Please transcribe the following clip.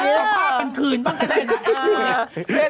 สัมภาษณ์คื่นบ้างก็ได้นะ